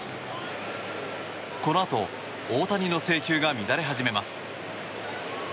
このあと、大谷の制球が乱れ始めます。